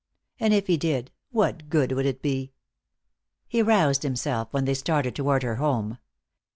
And if he did, what good would it be? He roused himself when they started toward her home.